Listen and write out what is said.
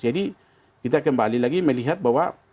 jadi kita kembali lagi melihat bahwa